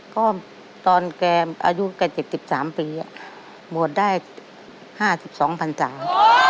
ก็ตอนแกอายุกัน๗๓ปีบวชได้๕๒๐๐๐จาว